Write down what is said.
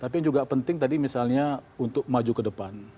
tapi yang juga penting tadi misalnya untuk maju ke depan